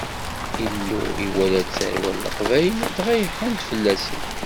Illu iwala-d tarwa n Leqbayel, dɣa iḥunn-d fell-asen.